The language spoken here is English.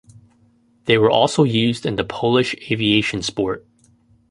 They were also used in the Polish aviation sport.